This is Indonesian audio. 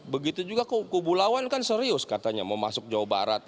begitu juga kubu lawan kan serius katanya mau masuk jawa barat